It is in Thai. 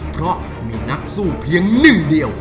เพราะมีนักสู้เพียงหนึ่งเดียว